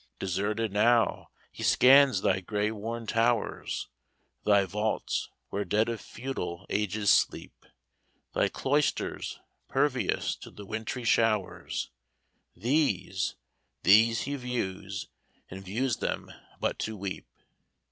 "Deserted now, he scans thy gray worn towers, Thy vaults, where dead of feudal ages sleep, Thy cloisters, pervious to the wintry showers, These these he views, and views them but to weep.